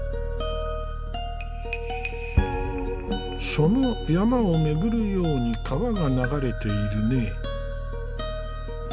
その山を巡るように川が流れているね。